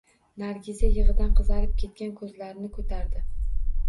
Nargiza yig`idan qizarib ketgan ko`zlarini ko`tardi